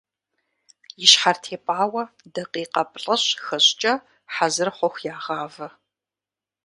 И щхьэр тепӀауэ дакъикъэ плӏыщӏ-хыщӏкӏэ, хьэзыр хъуху, ягъавэ.